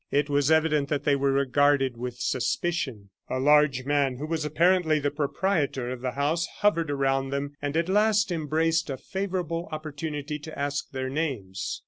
It was evident that they were regarded with suspicion. A large man, who was apparently the proprietor of the house, hovered around them, and at last embraced a favorable opportunity to ask their names.